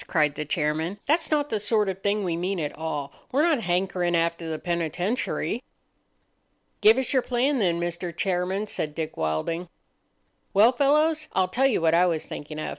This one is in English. cried the chairman. "That's not the sort of thing we mean at all. We're not hankering after the penitentiary." "Give us your plan, then, Mr. Chairman," said Dick Wilding. "Well, fellows, I'll tell you what I was thinking of.